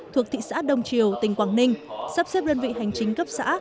thuộc thị xã đông triều tỉnh quảng ninh sắp xếp đơn vị hành chính cấp xã